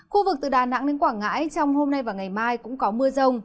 khu vực từ đà nẵng đến quảng ngãi trong hôm nay và ngày mai cũng có mưa rông